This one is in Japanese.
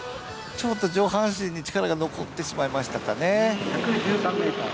上半身に力が残ってしまいましたかね。